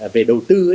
về đầu tư